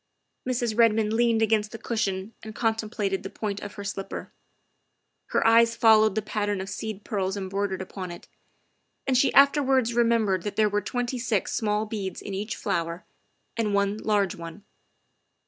'' THE SECRETARY OF STATE 55 Mrs. Redmond leaned against the cushion and con templated the point of her slipper; her eyes followed the pattern of seed pearls embroidered upon it, and she afterwards remembered there were twenty six small beads in each flower and one large one.